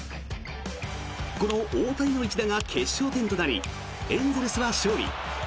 この大谷の一打が決勝点となりエンゼルスは勝利。